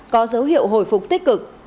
có dấu hiệu hồi phục tích cực